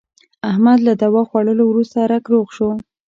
احمد له دوا خوړلو ورسته رک روغ شو.